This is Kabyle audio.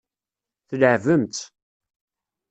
Tleεεbem-tt.